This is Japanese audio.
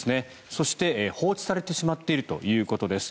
そして、放置されてしまっているということです。